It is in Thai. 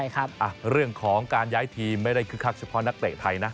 เรื่องของการย้ายทีมไม่ได้คึกคักเฉพาะนักเตะไทยนะ